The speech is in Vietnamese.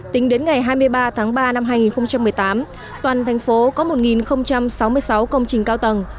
tính đến ngày hai mươi ba tháng ba năm hai nghìn một mươi tám toàn thành phố có một sáu mươi sáu công trình cao tầng